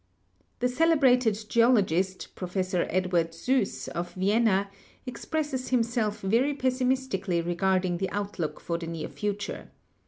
The cele brated geologist, Professor Edward Suess, of Vienna, ex presses himself very pessimistically regarding the outlook for the near future.